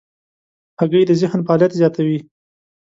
هګۍ د ذهن فعالیت زیاتوي.